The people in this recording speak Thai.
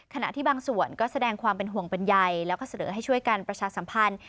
ขณะที่บางส่วนก็แสดงความเป็นห่วงเป็นใยแล้วก็เสนอให้ช่วยกันประชาสัมพันธ์